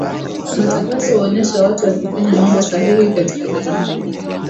matangazo huonesha watu wakifanya mambo sahihi katika jamii